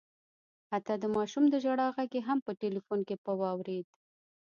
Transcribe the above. حتی د ماشوم د ژړا غږ یې هم په ټلیفون کي په واورېد